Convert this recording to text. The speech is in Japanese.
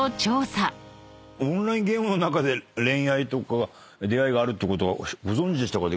オンラインゲームの中で恋愛とか出会いがあるってことはご存じでしたか？